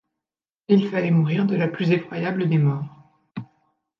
Il fallait mourir de la plus effroyable des morts !